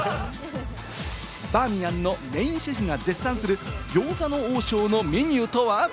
バーミヤンのメインシェフが絶賛する餃子の王将のメニューとは？